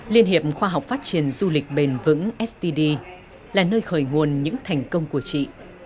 liên hiệp khoa học phát triển du lịch bền vững std là nơi khởi nguồn những thành công của chị